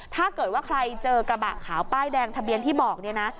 ถ้าเกิดว่าใครเจอกระบะขาวป้ายแดงทะเบียนที่บอกเนี่ยนะ